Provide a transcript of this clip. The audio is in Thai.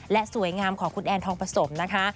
และสวยงามของคุณแอนทองผสมนะคะ